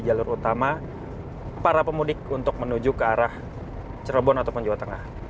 jalur utama para pemudik untuk menuju ke arah cirebon ataupun jawa tengah